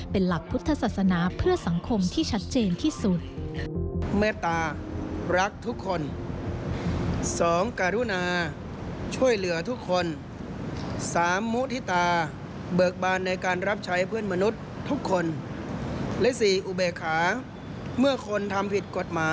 เป็นหลักพุทธศาสนาเพื่อสังคมที่ชัดเจนที่สุด